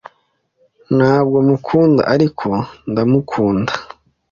Ntabwo mukunda, ariko ndamukunda.